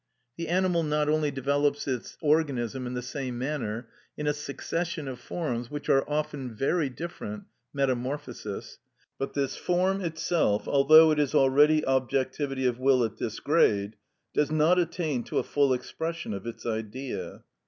The animal not only develops its organism in the same manner, in a succession of forms which are often very different (metamorphosis), but this form itself, although it is already objectivity of will at this grade, does not attain to a full expression of its Idea.